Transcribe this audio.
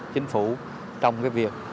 chính phủ trong cái việc